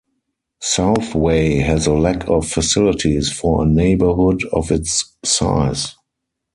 Southway has a lack of facilities for a neighbourhood of its size.